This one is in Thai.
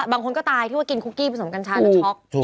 บางคนก็ตายที่ว่ากินคุกกี้ผสมกัญชาแล้วช็อก